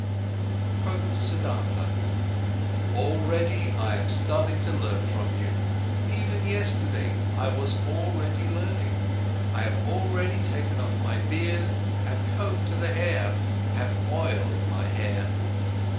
Quoth Siddhartha: "Already I am starting to learn from you. Even yesterday, I was already learning. I have already taken off my beard, have combed the hair, have oil in my hair.